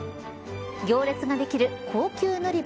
行列ができる高級海苔弁